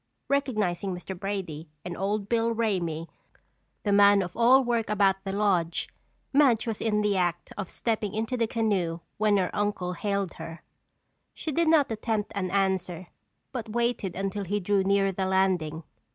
Recognizing Mr. Brady and Old Bill Ramey, the man of all work about the lodge, Madge was in the act of stepping into the canoe when her uncle hailed her. She did not attempt an answer but waited until he drew nearer the landing.